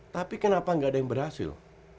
tapi kenapa nggak ada yang berhasil